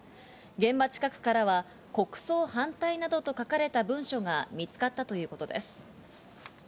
現場近くからは「国葬反対」などと書かれた文書が見つかったということです。